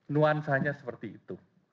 nuansanya seperti itu